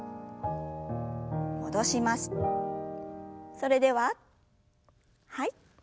それでははい。